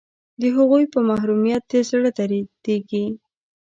د هغوی په محرومیت دې زړه دردیږي